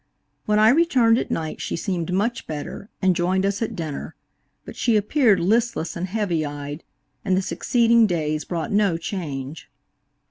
When I returned at night she seemed much better and joined us at dinner, but she appeared listless and heavy eyed, and the succeeding days brought no change.